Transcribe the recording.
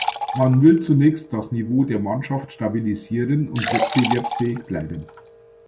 Man will zunächst das Niveau der Mannschaft stabilisieren und wettbewerbsfähig bleiben.